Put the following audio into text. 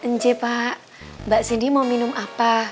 nc pak mbak sindi mau minum apa